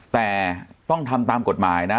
แต่ต้องทำตามกฎหมายนะ